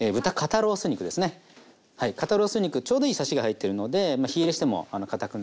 ロース肉ちょうどいいさしが入ってるので火入れしてもかたくならず。